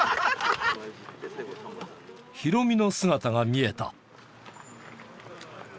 ヒロミの姿が見えた。